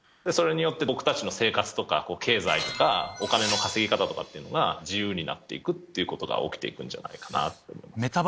それによって、僕たちの生活とか経済とか、お金の稼ぎ方とかっていうのが自由になっていくっていうことが起きていくんじゃないかと思うんですね。